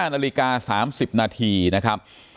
นาฬิกา๓๐นาทีนะครับ